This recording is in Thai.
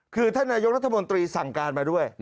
คือท่านนายกรัฐมนตรีสั่งการมาด้วย